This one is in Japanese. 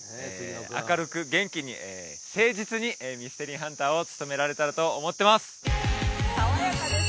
明るく元気に誠実にミステリーハンターを務められたらと思ってます